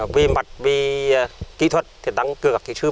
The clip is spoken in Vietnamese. về mặt về kỹ thuật thì tăng cường các kỹ thuật